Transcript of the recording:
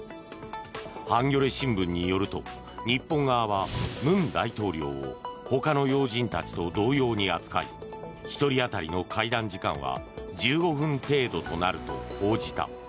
ハンギョレ新聞によると日本側は文大統領を他の要人たちと同様に扱い１人当たりの会談時間は１５分程度となると報じた。